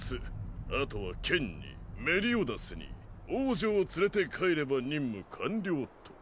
あとは剣にメリオダスに王女を連れて帰れば任務完了っと。